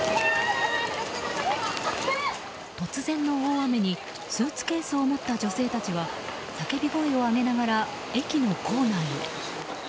突然の大雨にスーツケースを持った女性たちは叫び声を上げながら駅の構内へ。